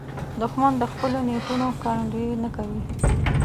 دښمن د خپلو نیتونو ښکارندویي نه کوي